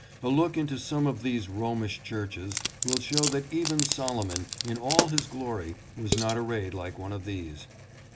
A look into some of these Romish churches will show that even Solomon in all his glory was not arrayed like one of these.